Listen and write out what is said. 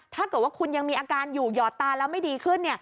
ถ้าเกิดว่าคุณยังมีอาการอยู่หยอดตาแล้วไม่ดีขึ้น